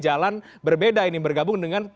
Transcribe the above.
jalan berbeda ini bergabung dengan